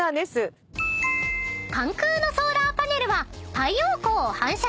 ［関空のソーラーパネルは］